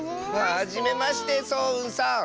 はじめましてそううんさん。